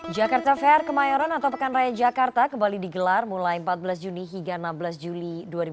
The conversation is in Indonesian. jakarta fair kemayoran atau pekan raya jakarta kembali digelar mulai empat belas juni hingga enam belas juli dua ribu dua puluh